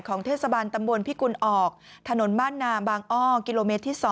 เทศบาลตำบลพิกุลออกถนนบ้านนาบางอ้อกิโลเมตรที่๒